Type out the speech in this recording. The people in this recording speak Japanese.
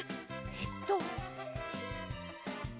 えっと。